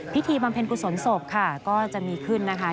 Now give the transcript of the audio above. บำเพ็ญกุศลศพค่ะก็จะมีขึ้นนะคะ